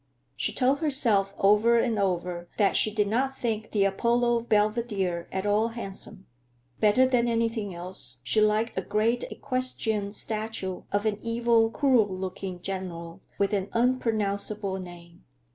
She told herself over and over that she did not think the Apollo Belvedere "at all handsome." Better than anything else she liked a great equestrian statue of an evil, cruel looking general with an unpronounceable name.